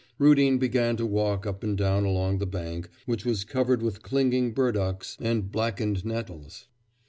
Rudin began to walk up and down along the bank, which was covered with clinging burdocks and blackened nettles.